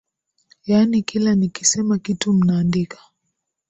Yaani kila nikisema kitu munaandika?